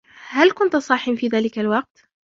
هل كنت صاحٍ في ذلك الوقت ؟